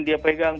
tidak pegang ktp